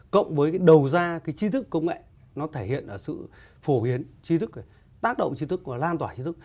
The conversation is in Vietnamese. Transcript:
cộng với cái đầu ra cái chi thức công nghệ nó thể hiện ở sự phổ biến chi thức tác động chi thức và lan tỏa trí thức